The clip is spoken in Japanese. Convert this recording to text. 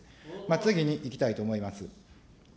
次にいきたいと思います。